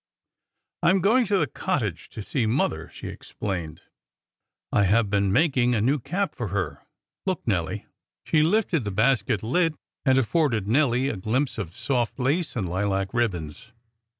"I am going to the cottage to see mother," she explained. "I have been making a new cap for her, look, Nelly." She lifted the basket lid, and afforded Nelly a glimpse of soft lace and lilac ribbons.